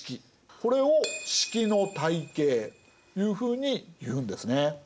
これを職の体系というふうにいうんですね。